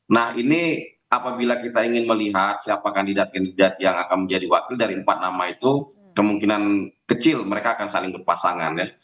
nah ini apabila kita ingin melihat siapa kandidat kandidat yang akan menjadi wakil dari empat nama itu kemungkinan kecil mereka akan saling berpasangan ya